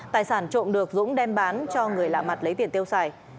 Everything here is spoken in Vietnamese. tài sản trộm được dũng đem bán cho người lạ mặt lấy tiền tiêu xài